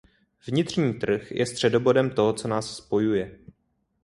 Vnitřní trh je středobodem toho, co nás spojuje.